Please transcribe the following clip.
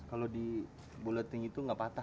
kalau di buleting itu nggak patah